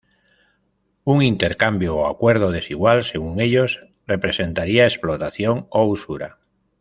Un intercambio o acuerdo desigual, según ellos, representaría explotación o usura.